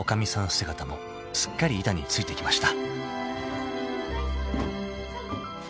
姿もすっかり板に付いてきました］